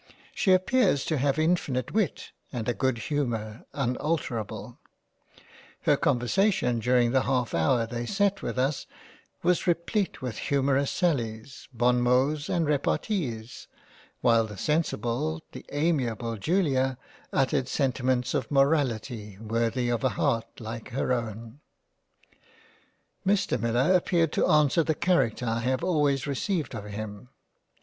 She appears to have infinite Wit and a good humour unalterable ; her conver sation during the half hour they set with us, was replete with humourous sallies, Bonmots and repartees ; while the sensible, the amiable Julia uttered sentiments of Morality worthy of a heart like her own. Mr Millar appeared to answer the character I had always received of him.